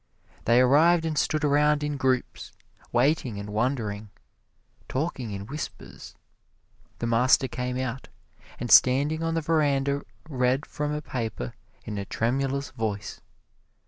They arrived and stood around in groups, waiting and wondering, talking in whispers. The master came out, and standing on the veranda read from a paper in a tremulous voice.